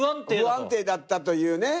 不安定だったというね。